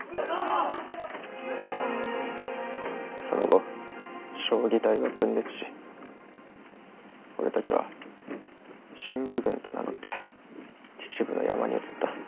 その後彰義隊は分裂し俺たちは振武軍と名乗って秩父の山に移った。